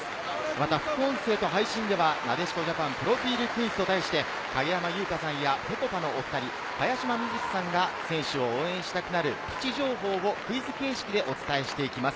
また副音声と配信では「なでしこジャパンプロフィールクイズ！」と題して、影山優佳さんやぺこぱのお２人、茅島みずきさんが選手を応援したくなるプチ情報をクイズ形式でお伝えしていきます。